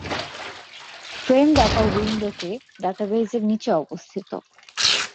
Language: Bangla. ফ্রেম ডাটা উইন্ডোটি ডাটাবেসের নিচে অবস্থিত।